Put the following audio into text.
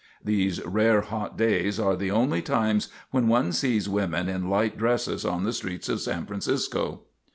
These rare hot days are the only times when one sees women in light dresses on the streets of San Francisco.